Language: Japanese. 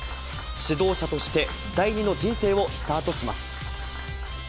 指導者として、第２の人生をスタートします。